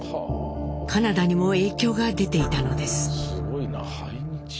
カナダにも影響が出ていたのです。